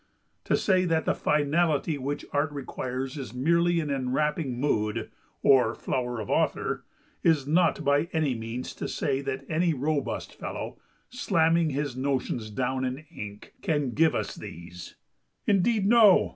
To say that the finality which Art requires is merely an enwrapping mood, or flower of author, is not by any means to say that any robust fellow, slamming his notions down in ink, can give us these. Indeed, no!